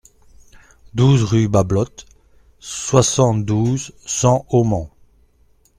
douze rue Bablot, soixante-douze, cent au Mans